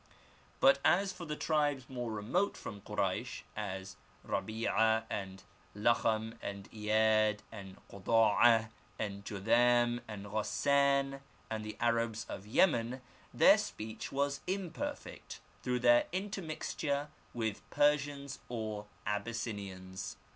But as for the tribes more remote from Koraysh — ^as Rabf ah and La kham and lyyad and Koda*ah and Jodham and Ghassan and the Arabs of Yemen — ^their speech was imperfect through their intermixture with Persians or Abyssinians.